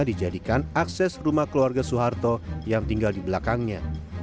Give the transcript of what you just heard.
dijadikan akses rumah keluarga soeharto yang tinggal di belakangnya